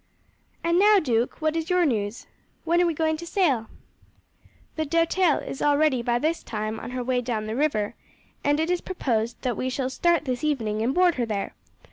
And now, duke, what is your news? When are we going to sail?" "The Doutelle is already by this time on her way down the river, and it is proposed that we shall start this evening and board her there.